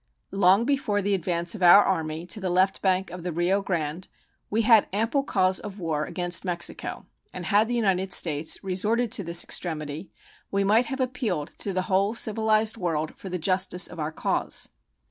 Long before the advance of our Army to the left bank of the Rio Grande we had ample cause of war against Mexico, and had the United States resorted to this extremity we might have appealed to the whole civilized world for the justice of our cause.